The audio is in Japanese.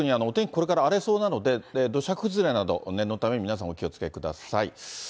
これから荒れそうなので、土砂崩れなど、念のため、皆さんお気をつけください。